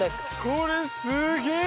これすげぇ。